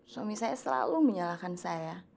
suami saya selalu menyalahkan saya